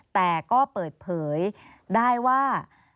แต่ก็เปิดเผยได้ว่า